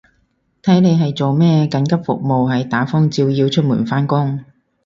睇你係做咩，緊急服務係打風照要出門返工